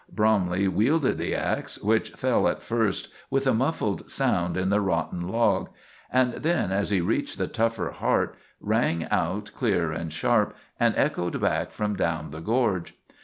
Bromley wielded the ax, which fell at first with a muffled sound in the rotten log, and then, as he reached the tougher heart, rang out clear and sharp, and echoed back from down the gorge.